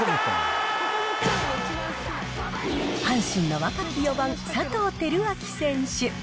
阪神の若き４番佐藤輝明選手。